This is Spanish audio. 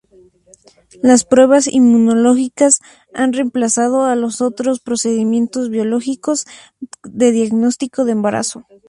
Las pruebas inmunológicas han remplazado a los otros procedimientos biológicos de diagnóstico de embarazo.